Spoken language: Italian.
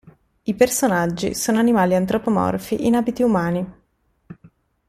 I personaggi sono animali antropomorfi in abiti umani.